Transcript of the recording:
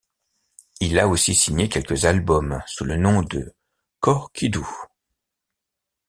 Il a aussi signé quelques albums sous le nom de Korkydü.